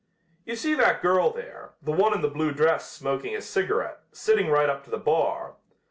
You see that girl there, the one in the blue dress smoking a cigarette, sitting right up to the bar.